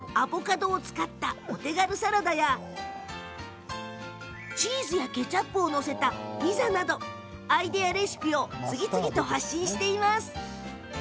ほかにも、からしと相性がよいアボカドを使ったお手軽サラダやチーズやケチャップを載せたピザなど、アイデアレシピを発信しています。